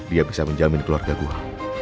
dia bisa menjamin keluarga gue